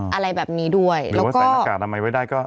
อะไรแบบนี้ด้วยแล้วก็หรือใส่หน้ากากทำไมไม่ได้ก็